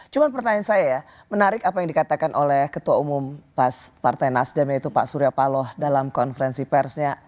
cuma pertanyaan saya ya menarik apa yang dikatakan oleh ketua umum partai nasdem yaitu pak surya paloh dalam konferensi persnya